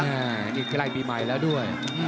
อันนี้ใกล้ปีใหม่แล้วด้วย